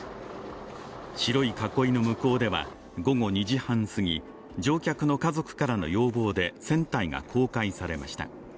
白い囲いの向こうでは午後２時半過ぎ、乗客の家族からの要望で、船体が公開されました。